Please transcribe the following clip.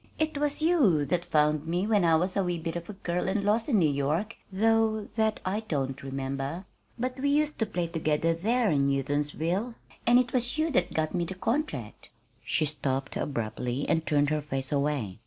"It was you that found me when I was a wee bit of a girl and lost in New York, though that I don't remember. But we used to play together there in Houghtonsville, and it was you that got me the contract " She stopped abruptly and turned her face away.